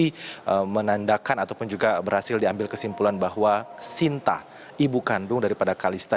ini menandakan ataupun juga berhasil diambil kesimpulan bahwa sinta ibu kandung daripada kalista